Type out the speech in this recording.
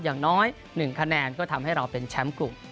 อย่างน้อย๑คะแนนก็ทำให้เราเป็นแชมป์กลุ่ม